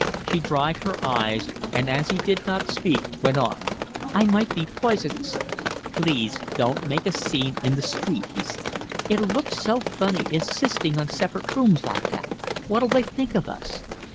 She dried her eyes, and as he did not speak, went on. "I might be poisonous." "Please don't make a scene in the street," he said. "It'll look so funny insisting on separate rooms like that. What'll they think of us?"